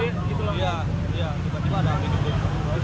iya tiba tiba ada api juga